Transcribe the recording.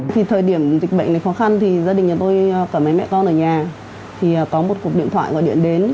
thì thời điểm dịch bệnh này khó khăn thì gia đình nhà tôi cảm thấy mẹ con ở nhà thì có một cuộc điện thoại gọi điện đến